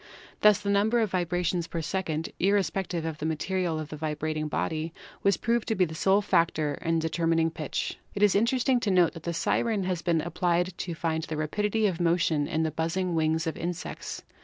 Thus the number of vibrations per second, irrespective of the material of the vibrating body, was proved to be the sole factor in determining pitch. It is interesting to note that the siren has been ap plied to find the rapidity of motion in the buzzing wings of insects.